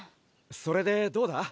それでどうだ？